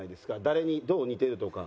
誰にどう似てるとか。